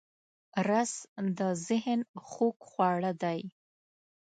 رس د ذهن خوږ خواړه دی